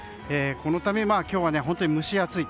このため、今日は本当に蒸し暑い。